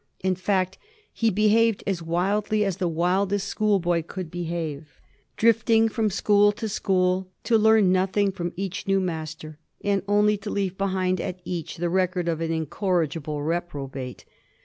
In fact, he behaved as wildly as the wildest school boy could behave — drifting from school to school, to learn nothing from each new master, and only to leave behind at each the record of an incorrigible reprobate.